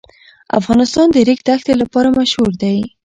افغانستان د ریګ دښتې لپاره مشهور دی.